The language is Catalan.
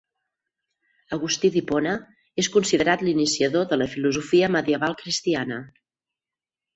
Agustí d'Hipona és considerat l'iniciador de la filosofia medieval cristiana.